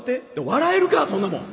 「笑えるかそんなもん！